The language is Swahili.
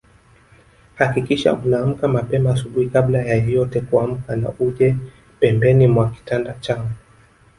Hakikisha unaamka mapema asubuhi kabla ya yeyote kuamka na uje pembeni mwa kitanda changu